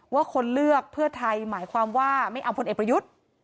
ว่าคนเลือกเพื่อไทยหมายความว่าไม่เอาพลเอกประยุทธ์